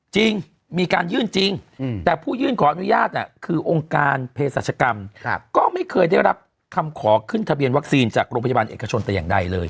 จริงมีการยื่นจริงแต่ผู้ยื่นขออนุญาตคือองค์การเพศรัชกรรมก็ไม่เคยได้รับคำขอขึ้นทะเบียนวัคซีนจากโรงพยาบาลเอกชนแต่อย่างใดเลย